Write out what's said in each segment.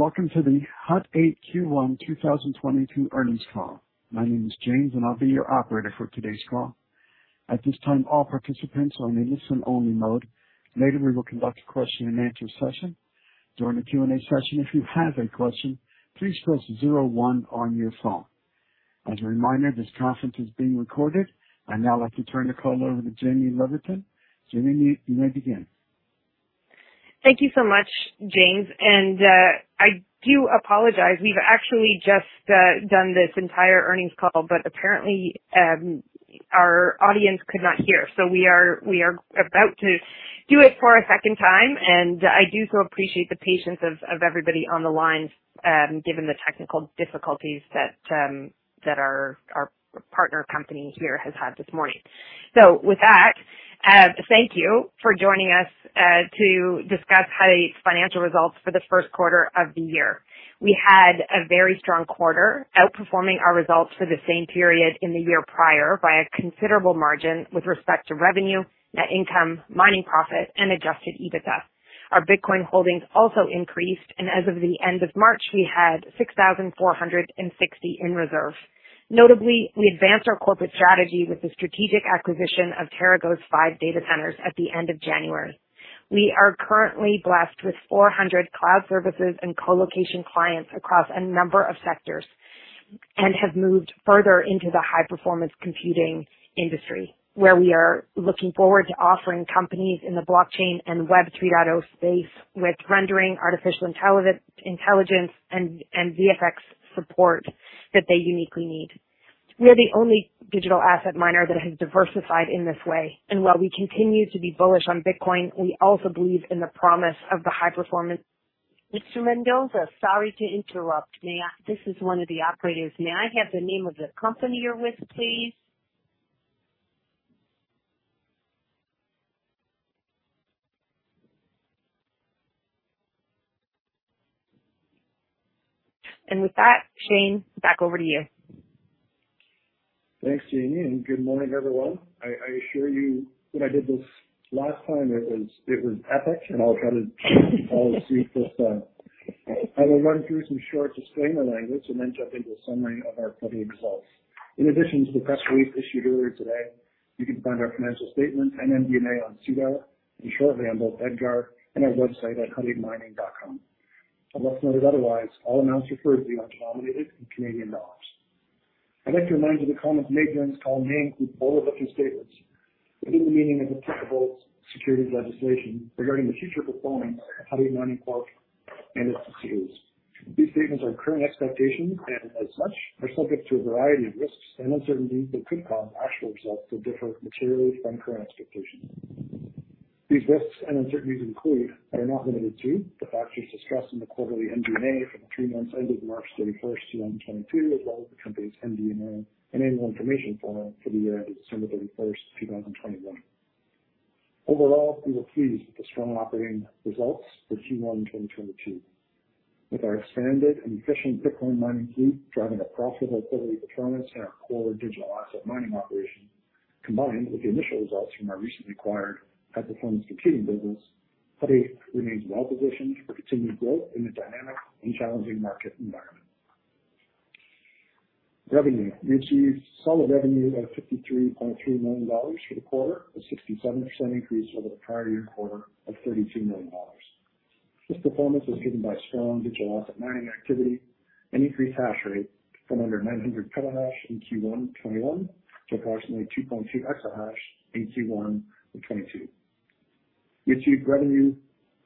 Welcome to the Hut 8 Q1 2022 earnings call. My name is James, and I'll be your operator for today's call. At this time, all participants are in a listen-only mode. Later, we will conduct a question-and-answer session. During the Q&A session, if you have a question, please press zero one on your phone. As a reminder, this conference is being recorded. I'd now like to turn the call over to Jaime Leverton. Jaime, you may begin. Thank you so much, James. I do apologize. We've actually just done this entire earnings call, but apparently our audience could not hear. We are about to do it for a second time, and I do so appreciate the patience of everybody on the line, given the technical difficulties that our partner company here has had this morning. With that, thank you for joining us to discuss Hut 8's financial results for the first quarter of the year. We had a very strong quarter, outperforming our results for the same period in the year prior by a considerable margin with respect to revenue, net income, mining profit, and adjusted EBITDA. Our Bitcoin holdings also increased, and as of the end of March, we had 6,460 in reserve. Notably, we advanced our corporate strategy with the strategic acquisition of TeraGo's 5 data centers at the end of January. We are currently blessed with 400 cloud services and co-location clients across a number of sectors, and have moved further into the high-performance computing industry, where we are looking forward to offering companies in the blockchain and Web 3.0 space with rendering artificial intelligence and VFX support that they uniquely need. We are the only digital asset miner that has diversified in this way, and while we continue to be bullish on Bitcoin, we also believe in the promise of the high performance. And with that, Shane, back over to you. Thanks, Jaime, and good morning, everyone. I assure you when I did this last time it was epic, and I'll try to follow suit this time. I will run through some short disclaimer language and then jump into a summary of our company results. In addition to the press release issued earlier today, you can find our financial statement and MD&A on SEDAR, and shortly on both EDGAR and our website at hut8mining.com. Unless noted otherwise, all amounts referred to are denominated in Canadian dollars. I'd like to remind you that comments made during this call may include forward-looking statements within the meaning of applicable securities legislation regarding the future performance of Hut 8 Mining Corp. and its securities. These statements are current expectations and as such are subject to a variety of risks and uncertainties that could cause actual results to differ materially from current expectations. These risks and uncertainties include, but are not limited to, the factors discussed in the quarterly MD&A for the three months ended March 31st, 2022, as well as the company's MD&A and annual information form for the year ended December 31st, 2021. Overall, we were pleased with the strong operating results for Q1 2022. With our expanded and efficient Bitcoin mining fleet driving a profitable quarterly performance in our core digital asset mining operation, combined with the initial results from our recently acquired high-performance computing business, Hut 8 remains well positioned for continued growth in the dynamic and challenging market environment. Revenue. We achieved solid revenue of $53.3 million for the quarter, a 67% increase over the prior year quarter of $32 million. This performance was driven by strong digital asset mining activity and increased hash rate from under 900 petahash in Q1 2021 to approximately 2.2 exahash in Q1 of 2022. We achieved revenue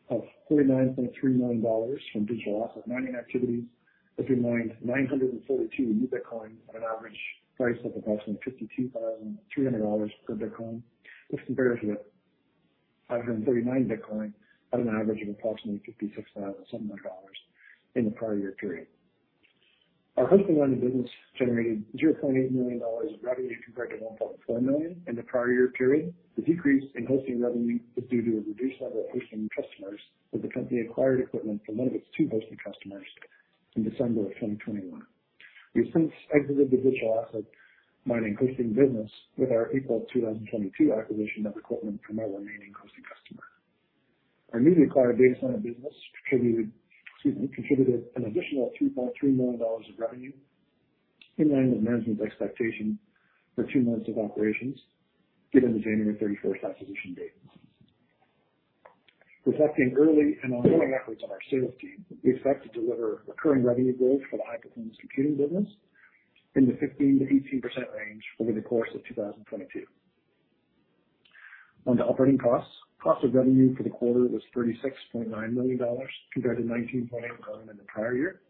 of $49.3 million from digital asset mining activities that we mined 942 new Bitcoin at an average price of approximately $52,300 per Bitcoin. This compares with 539 Bitcoin at an average of approximately $56,700 in the prior year period. Our hosting and mining business generated $0.8 million of revenue compared to $1.4 million in the prior year period. The decrease in hosting revenue is due to a reduced number of hosting customers with the company acquired equipment from one of its two hosting customers in December of 2021. We've since exited the digital asset mining hosting business with our April 2022 acquisition of equipment from our remaining hosting customer. Our newly acquired data center business contributed an additional 2.3 million dollars of revenue in line with management's expectation for two months of operations given the January 31st acquisition date. Reflecting early and ongoing efforts on our sales team, we expect to deliver recurring revenue growth for the high-performance computing business in the 15%-18% range over the course of 2022. Onto operating costs. Cost of revenue for the quarter was 36.9 million dollars compared to 19.8 million in the prior year.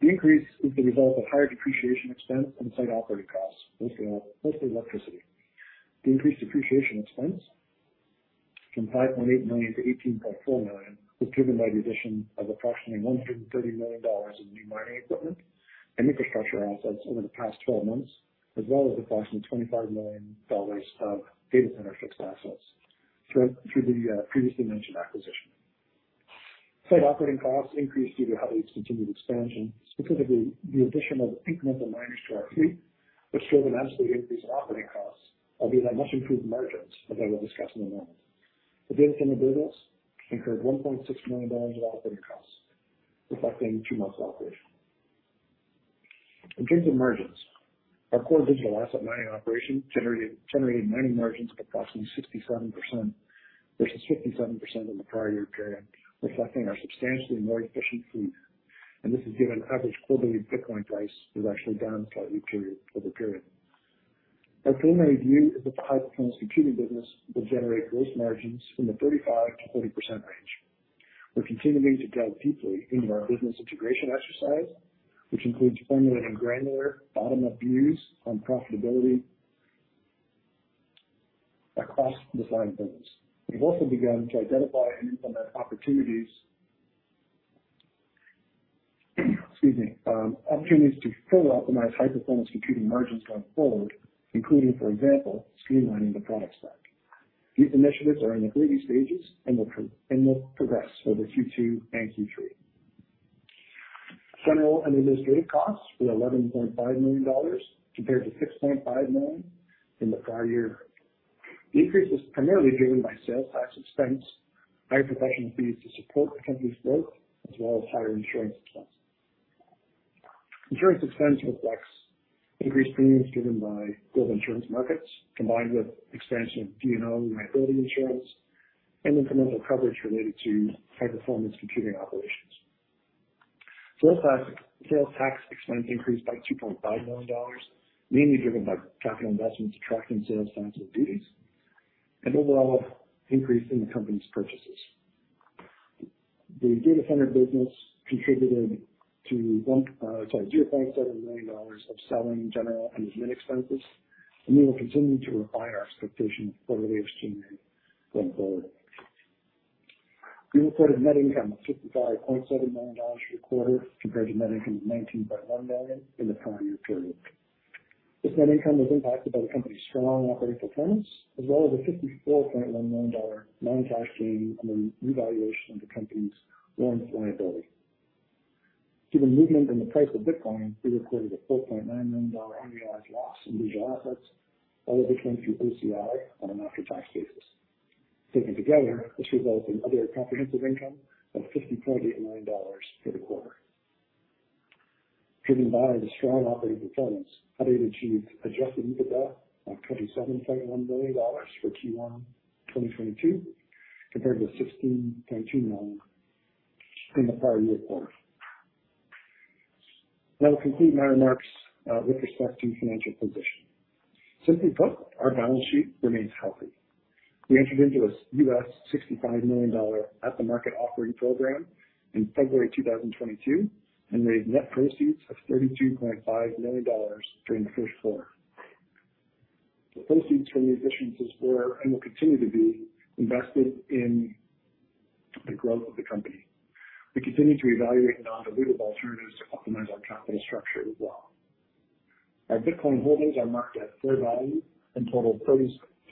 The increase is the result of higher depreciation expense and site operating costs, mostly electricity. The increased depreciation expense from $5.8 million to $18.4 million was driven by the addition of approximately $130 million in new mining equipment and infrastructure assets over the past 12 months, as well as approximately $25 million of data center fixed assets through the previously mentioned acquisition. Site operating costs increased due to Hut 8's continued expansion, specifically the addition of incremental miners to our fleet, which drove an absolute increase in operating costs, albeit on much improved margins as I will discuss in a moment. The Data Center business incurred $1.6 million in operating costs, reflecting two months' operation. In terms of margins, our core digital asset mining operations generated mining margins of approximately 67% versus 57% in the prior year period, reflecting our substantially more efficient fleet. This is given average quarterly Bitcoin price was actually down slightly, period-over-period. Our preliminary view is that the high-performance computing business will generate gross margins from the 35%-40% range. We're continuing to dive deeply into our business integration exercise, which includes formulating granular bottom-up views on profitability across the five businesses. We've also begun to identify and implement opportunities to further optimize high-performance computing margins going forward, including, for example, streamlining the product stack. These initiatives are in the early stages and will progress over Q2 and Q3. General and administrative costs were $11.5 million compared to $6.5 million in the prior year. The increase was primarily driven by sales tax expense, higher professional fees to support the company's growth, as well as higher insurance expense. Insurance expense reflects increased premiums driven by global insurance markets, combined with expansion of D&O and liability insurance and incremental coverage related to high-performance computing operations. Sales tax expense increased by 2.5 million dollars, mainly driven by capital investments, tracking sales, taxes, and duties, and overall increase in the company's purchases. The data center business contributed to $ 0.07 million dollars of selling, general, and admin expenses, and we are continuing to refine our expectations for the HPC going forward. We reported net income of 55.7 million dollars for the quarter, compared to net income of 19.1 million in the prior year period. This net income was impacted by the company's strong operating performance, as well as a 54.1 million dollar non-cash gain on the revaluation of the company's loans liability. Given movement in the price of Bitcoin, we recorded a 4.9 million dollar unrealized loss in digital assets, all of which went through OCI on an after-tax basis. Taken together, this results in other comprehensive income of 50.8 million dollars for the quarter. Driven by the strong operating performance, Hut 8 achieved adjusted EBITDA of 27.1 million dollars for Q1 2022, compared to 16.2 million in the prior year quarter. That will complete my remarks with respect to financial position. Simply put, our balance sheet remains healthy. We entered into a $65 million at-the-market offering program in February 2022, and raised net proceeds of $32.5 million during the first quarter. The proceeds from the issuance were used and will continue to be invested in the growth of the company. We continue to evaluate non-dilutive alternatives to optimize our capital structure as well. Our Bitcoin holdings are marked at fair value and totaled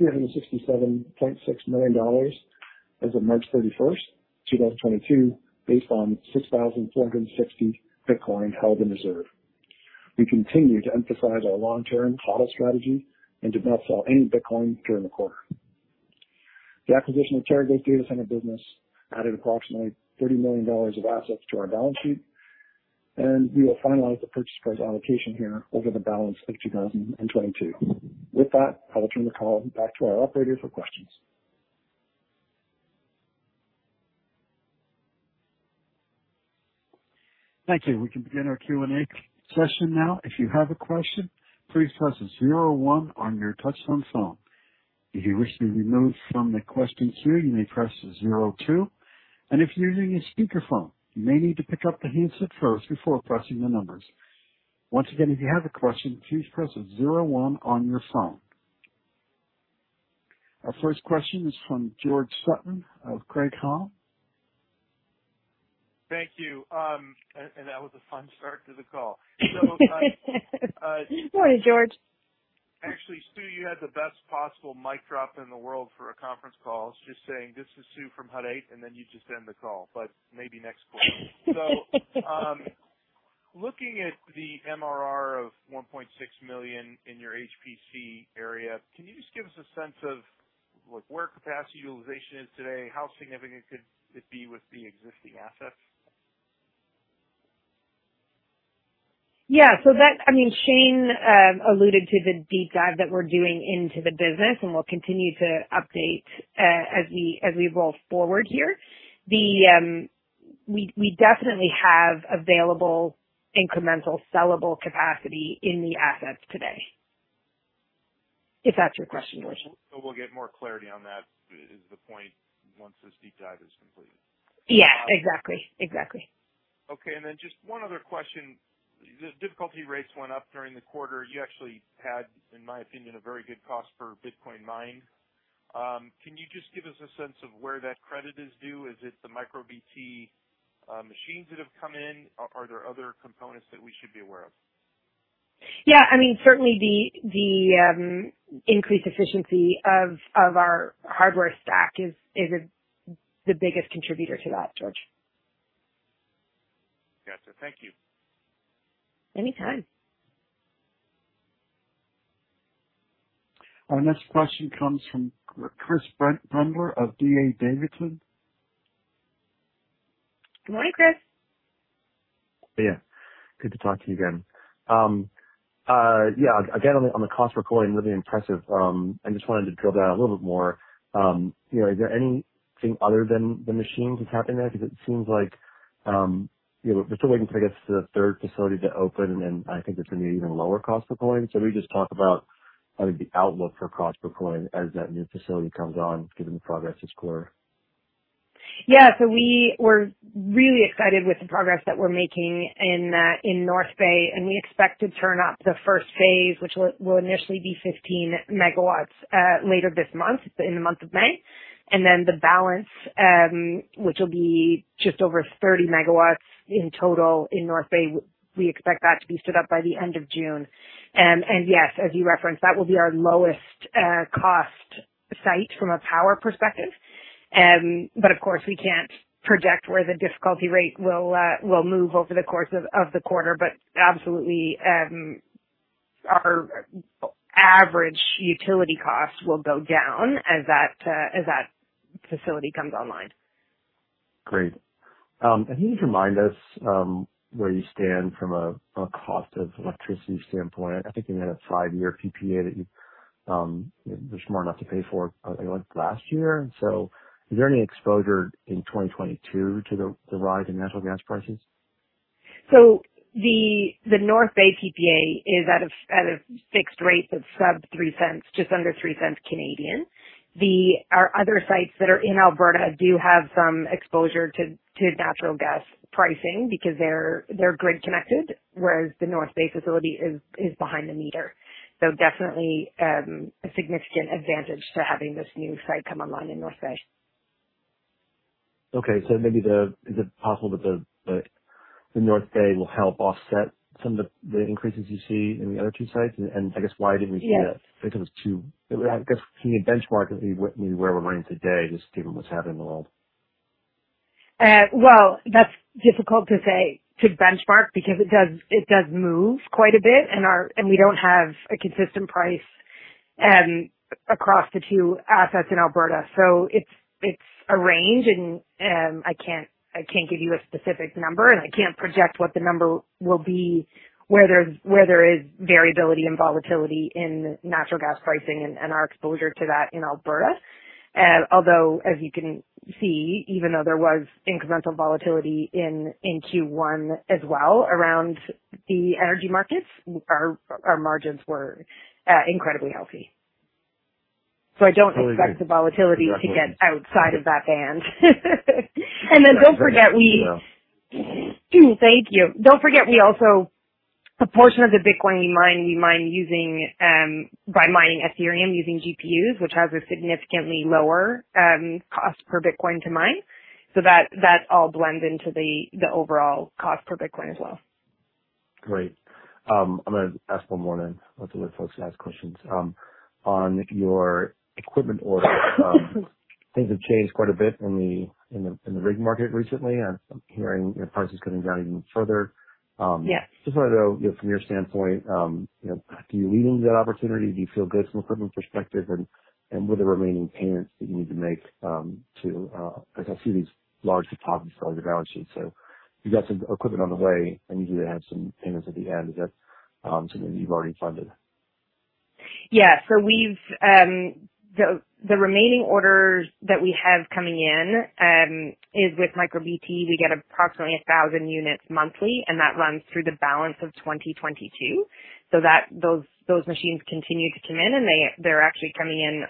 $3,367.6 million as of March 31st, 2022, based on 6,460 Bitcoin held in reserve. We continue to emphasize our long-term HODL strategy and did not sell any Bitcoin during the quarter. The acquisition of TeraGo data center business added approximately $30 million of assets to our balance sheet, and we will finalize the purchase price allocation here over the balance of 2022. With that, I will turn the call back to our operator for questions. Thank you. We can begin our Q&A session now. If you have a question, please press zero one on your touchtone phone. If you wish to be removed from the question queue, you may press zero two. If you're using a speakerphone, you may need to pick up the handset first before pressing the numbers. Once again, if you have a question, please press zero one on your phone. Our first question is from George Sutton of Craig-Hallum. Thank you. That was a fun start to the call. Morning, George. Actually, Stu, you had the best possible mic drop in the world for a conference call. It's just saying, "This is Stu from Hut 8," and then you just end the call, but maybe next quarter. Looking at the MRR of 1.6 million in your HPC area, can you just give us a sense of, like, where capacity utilization is today? How significant could it be with the existing assets? Yeah. I mean, Shane alluded to the deep dive that we're doing into the business, and we'll continue to update as we roll forward here. We definitely have available incremental sellable capacity in the assets today, if that's your question, George. We'll get more clarity on that is the point once this deep dive is complete. Yeah, exactly. Exactly. Okay. Just one other question. The difficulty rates went up during the quarter. You actually had, in my opinion, a very good cost per Bitcoin mined. Can you just give us a sense of where that credit is due? Is it the MicroBT machines that have come in? Are there other components that we should be aware of? Yeah. I mean, certainly the increased efficiency of our hardware stack is the biggest contributor to that, George. Gotcha. Thank you. Anytime. Our next question comes from Christopher Brendler of D.A. Davidson. Good morning, Chris. Yeah. Good to talk to you again. Yeah, again on the cost per coin, really impressive. I just wanted to drill down a little bit more. You know, is there anything other than the machines that's happening there? Because it seems like, you know, we're still waiting for, I guess, the third facility to open, and I think it's gonna be even lower cost per coin. We just talk about how the outlook for cost per coin as that new facility comes on given the progress this quarter. Yeah. We were really excited with the progress that we're making in North Bay, and we expect to turn up the first phase, which will initially be 15 MWs, later this month, in the month of May. The balance, which will be just over 30 MWs in total in North Bay, we expect that to be stood up by the end of June. Yes, as you referenced, that will be our lowest cost site from a power perspective. Of course, we can't project where the difficulty rate will move over the course of the quarter. Absolutely, our average utility costs will go down as that facility comes online. Great. Can you just remind us where you stand from a cost of electricity standpoint? I think you had a five-year PPA that you know, were smart enough to pay for, I think, last year. Is there any exposure in 2022 to the rise in natural gas prices? The North Bay PPA is at a fixed rate of sub-3 cents, just under 3 cents CAD. Our other sites that are in Alberta do have some exposure to natural gas pricing because they're grid connected, whereas the North Bay facility is behind the meter. Definitely, a significant advantage to having this new site come online in North Bay. Okay. Maybe is it possible that the North Bay will help offset some of the increases you see in the other two sites? I guess, why didn't we see that? Yeah. I guess can you benchmark where we're running today just given what's happening in the world? Well, that's difficult to say to benchmark because it does move quite a bit and we don't have a consistent price across the two assets in Alberta. It's a range and I can't give you a specific number, and I can't project what the number will be where there is variability and volatility in natural gas pricing and our exposure to that in Alberta. Although, as you can see, even though there was incremental volatility in Q1 as well around the energy markets, our margins were incredibly healthy. I don't- Totally. Expect the volatility to get outside of that band. Don't forget, we also mine a portion of the Bitcoin by mining Ethereum using GPUs, which has a significantly lower cost per Bitcoin to mine. That all blends into the overall cost per Bitcoin as well. Great. I'm gonna ask one more then. I want to let folks ask questions. On your equipment orders, things have changed quite a bit in the rig market recently. I'm hearing, you know, prices coming down even further. Yes. Just want to know, you know, from your standpoint, you know, do you lean into that opportunity? Do you feel good from an equipment perspective and with the remaining payments that you need to make, because I see these large deposits on your balance sheet. So you got some equipment on the way, and you do have some payments at the end. Is that something you've already funded? Yeah. The remaining orders that we have coming in is with MicroBT. We get approximately 1,000 units monthly, and that runs through the balance of 2022. Those machines continue to come in and they're actually coming in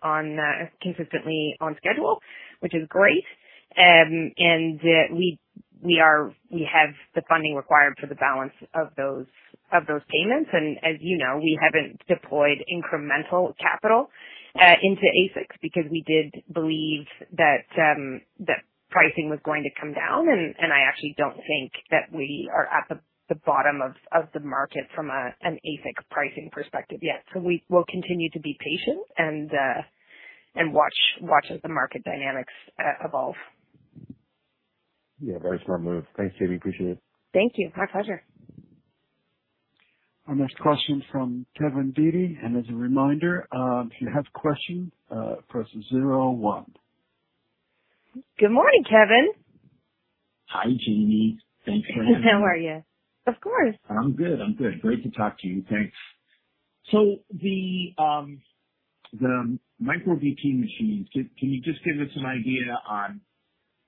consistently on schedule, which is great. We have the funding required for the balance of those payments. As you know, we haven't deployed incremental capital into ASICs because we did believe that pricing was going to come down. I actually don't think that we are at the bottom of the market from an ASIC pricing perspective yet. We will continue to be patient and watch as the market dynamics evolve. Yeah, very smart move. Thanks, Jaime. Appreciate it. Thank you. My pleasure. Our next question from Kevin Dede. As a reminder, if you have questions, press zero one. Good morning, Kevin. Hi, Jaime. Thanks for having me. How are you? Of course. I'm good. I'm good. Great to talk to you. Thanks. The MicroBT machines, can you just give us an idea on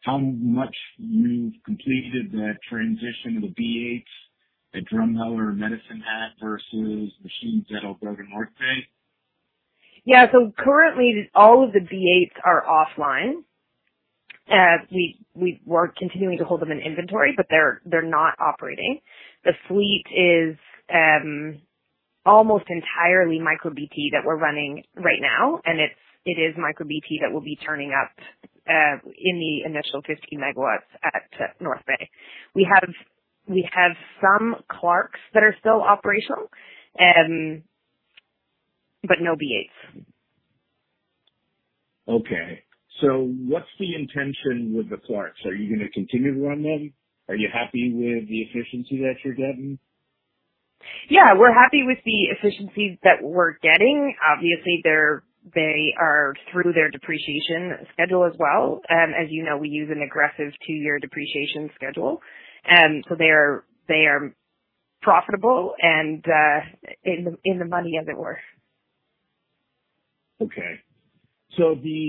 how much you've completed the transition to the BH at Drumheller and Medicine Hat versus machines at Alberta North Bay? Yeah. Currently all of the BHs are offline. We were continuing to hold them in inventory, but they're not operating. The fleet is almost entirely MicroBT that we're running right now, and it is MicroBT that will be turning up in the initial 50 MWs at North Bay. We have some Claymores that are still operational, but no BHs. Okay. What's the intention with the plants? Are you gonna continue to run them? Are you happy with the efficiency that you're getting? Yeah, we're happy with the efficiencies that we're getting. Obviously, they are through their depreciation schedule as well. As you know, we use an aggressive two-year depreciation schedule. They are profitable and in the money, as it were. Okay. The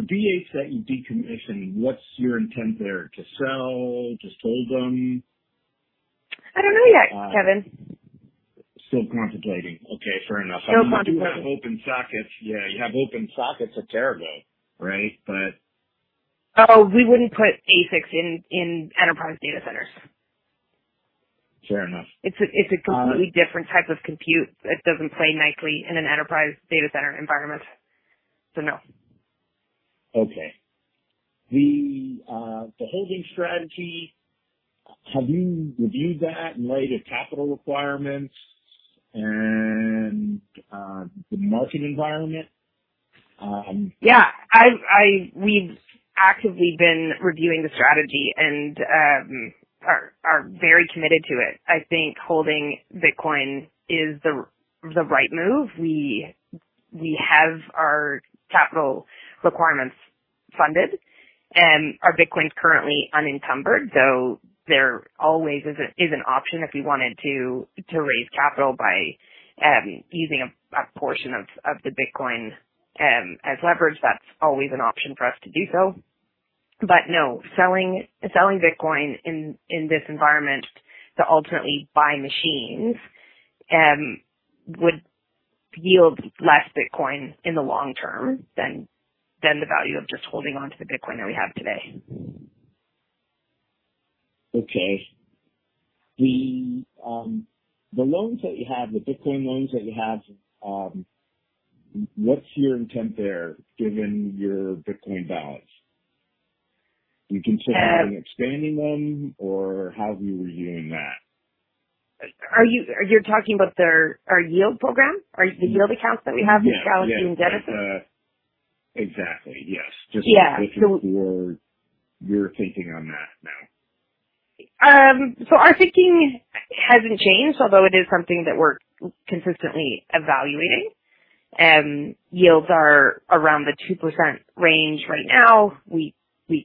BH that you decommissioned, what's your intent there? To sell? To sold them? I don't know yet, Kevin. Still contemplating. Okay, fair enough. Still contemplating. You do have open sockets. Yeah, you have open sockets at TeraGo, right? But. Oh, we wouldn't put ASICs in enterprise data centers. Fair enough. It's a completely different type of compute. It doesn't play nicely in an enterprise data center environment. No. Okay. The holding strategy, have you reviewed that in light of capital requirements and the market environment? Yeah. We've actively been reviewing the strategy and are very committed to it. I think holding Bitcoin is the right move. We have our capital requirements funded, and our Bitcoin's currently unencumbered, so there always is an option if we wanted to raise capital by using a portion of the Bitcoin as leverage. That's always an option for us to do so. No, selling Bitcoin in this environment to ultimately buy machines would yield less Bitcoin in the long term than the value of just holding onto the Bitcoin that we have today. Okay. The loans that you have, the Bitcoin loans that you have, what's your intent there, given your Bitcoin balance? Do you consider expanding them or how are you reviewing that? You're talking about their, our yield program? Our, the yield accounts that we have with Galaxy and Genesis? Exactly, yes. Yeah. Just looking for your thinking on that now. Our thinking hasn't changed, although it is something that we're consistently evaluating. Yields are around the 2% range right now. We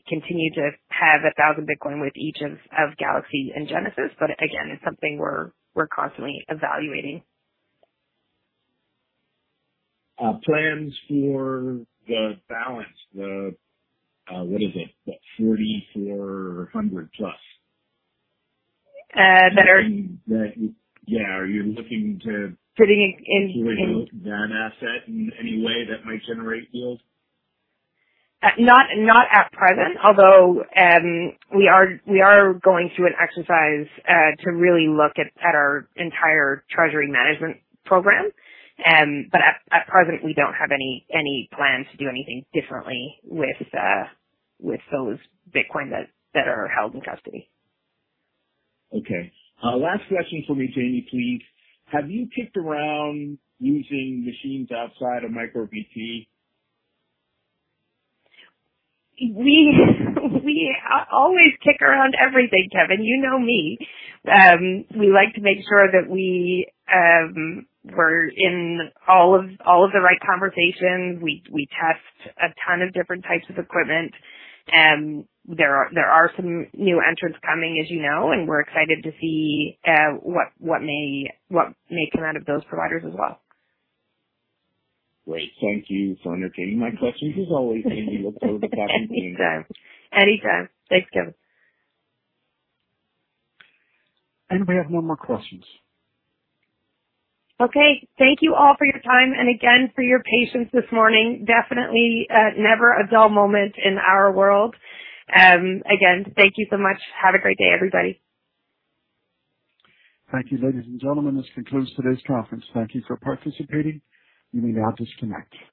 continue to have 1,000 Bitcoin with each of Galaxy and Genesis, but again, it's something we're constantly evaluating. Plans for the balance, what is it? The 4,400+. Uh, that are- Yeah. Are you looking to? Putting in. Do anything with that asset in any way that might generate yield? Not at present, although we are going through an exercise to really look at our entire treasury management program. At present, we don't have any plans to do anything differently with those Bitcoin that are held in custody. Okay. Last question for me, Jaime, please. Have you kicked around using machines outside of MicroBT? We always kick around everything, Kevin. You know me. We like to make sure that we're in all of the right conversations. We test a ton of different types of equipment. There are some new entrants coming, as you know, and we're excited to see what may come out of those providers as well. Great. Thank you for entertaining my questions as always, Jaime. Look forward to talking to you. Anytime. Thanks, Kevin. We have no more questions. Okay. Thank you all for your time and again for your patience this morning. Definitely, never a dull moment in our world. Again, thank you so much. Have a great day, everybody. Thank you, ladies and gentlemen. This concludes today's conference. Thank you for participating. You may now disconnect.